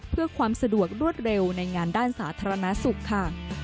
เพื่อความสะดวกรวดเร็วในงานด้านสาธารณสุขค่ะ